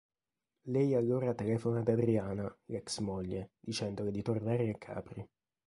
Lei allora telefona ad Adriana, l'ex moglie, dicendole di tornare a Capri.